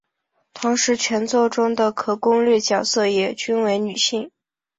同时全作中的可攻略角色也均为女性。